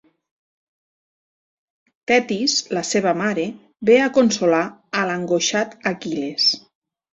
Thetis, la seva mare, ve a consolar a l'angoixat Aquil·les.